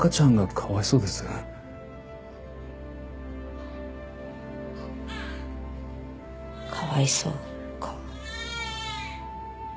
かわいそうか。